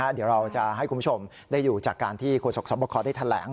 เดี๋ยวเราจะให้คุณผู้ชมได้อยู่จากการที่โควิด๑๙ได้แถลง